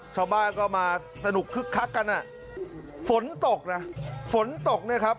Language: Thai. ชาวบ้านก็มาสนุกคึกคักกันอ่ะฝนตกนะฝนตกเนี่ยครับ